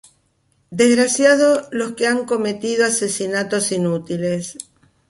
Desgraciados los que han cometido asesinatos inútiles.